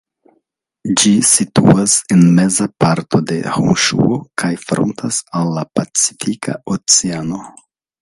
Ĝi situas en meza parto de Honŝuo kaj frontas al la Pacifika Oceano.